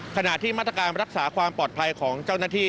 ขณะที่มาตรการรักษาความปลอดภัยของเจ้าหน้าที่